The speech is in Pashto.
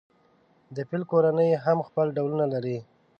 د فیل کورنۍ هم خپل ډولونه لري.